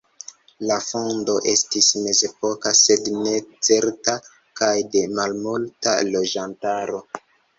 La fondo estis mezepoka, sed ne certa kaj de malmulta loĝantaro.